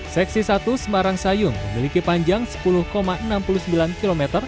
seksi satu semarang sayung memiliki panjang sepuluh enam puluh sembilan km